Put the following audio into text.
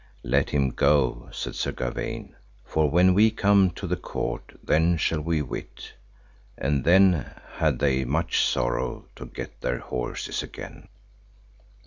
Let him go, said Sir Gawaine, for when we come to the court then shall we wit; and then had they much sorrow to get their horses again.